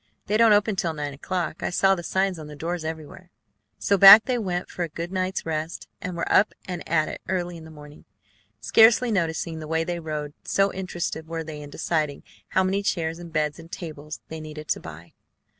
They don't open till nine o'clock. I saw the signs on the doors everywhere." So back they went for a good night's rest, and were up and at it early in the morning, scarcely noticing the way they rode, so interested were they in deciding how many chairs and beds and tables they needed to buy.